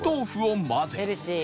ヘルシー。